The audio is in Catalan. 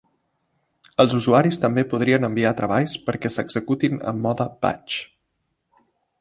Els usuaris també podrien enviar treballs perquè s'executin en mode "batch".